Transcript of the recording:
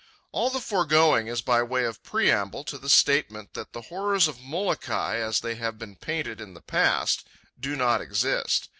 All the foregoing is by way of preamble to the statement that the horrors of Molokai, as they have been painted in the past, do not exist.